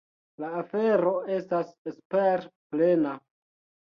La afero estas esperplena.